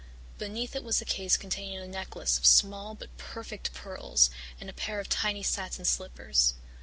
Beneath it was a case containing a necklace of small but perfect pearls and a pair of tiny satin slippers.